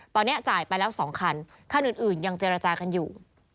ตอนนี้จ่ายไปแล้ว๒คันคันอื่นยังเจรจากันอยู่